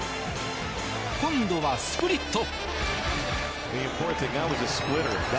今度はスプリット。